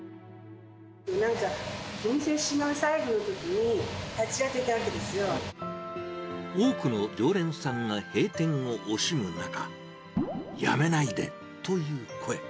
なんか、お店最後の日に、多くの常連さんが閉店を惜しむ中、やめないでという声。